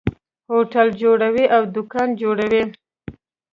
هوټل جوړوي او دکان جوړوي.